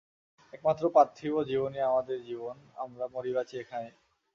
একমাত্র পার্থিব জীবনই আমাদের জীবন, আমরা মরি-বাঁচি এখানেই।